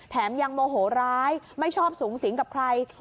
ยังโมโหร้ายไม่ชอบสูงสิงกับใคร